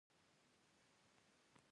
ایا زه باید اختر لمانځه ته لاړ شم؟